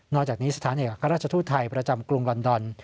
นอกจากนี้สถานกับข้าราชทู้ไทยณกรุงลอนดอน